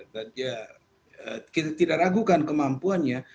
dan ya kita tidak ragukan kemampuannya